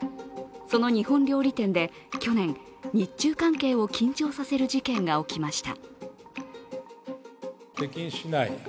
その日本料理店で去年、日中関係を緊張させる事件が起きました。